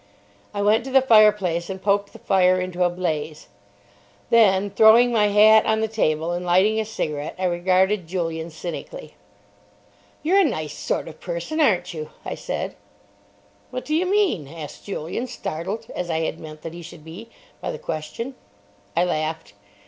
I went to the fireplace and poked the fire into a blaze. Then, throwing my hat on the table and lighting a cigarette, I regarded Julian cynically. "You're a nice sort of person, aren't you?" I said. "What do you mean?" asked Julian, startled, as I had meant that he should be, by the question. I laughed.